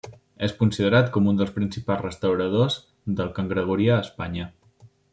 És considerat com un dels principals restauradors del cant gregorià a Espanya.